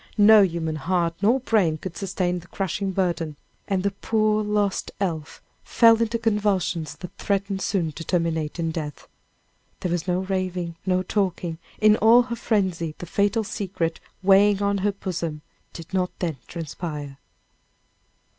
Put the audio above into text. No human heart nor brain could sustain the crushing burden, and the poor lost elf fell into convulsions that threatened soon to terminate in death. There was no raving, no talking; in all her frenzy, the fatal secret weighing on her bosom did not then transpire.